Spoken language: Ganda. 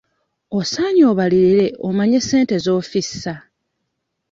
Osaanye obalirire omanye ssente z'ofissa.